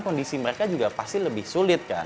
kondisi mereka juga pasti lebih sulit kan